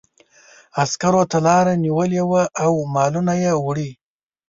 عسکرو ته لاره نیولې وه او مالونه یې وړي.